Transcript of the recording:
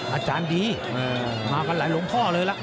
อาจารย์ดีมากันหลายหลวงพ่อเลยล่ะ